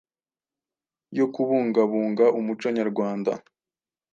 yo kubungabunga umuco nyarwanda.